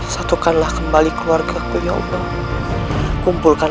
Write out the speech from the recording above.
satu kanlah kembali keluarga hasil yaudah kumpulkan